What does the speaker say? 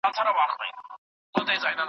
جګړو د خلګو ترمنځ بې باوري پيدا کړه.